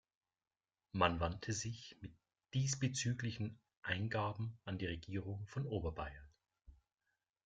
Man wandte sich mit diesbezüglichen Eingaben an die Regierung von Oberbayern.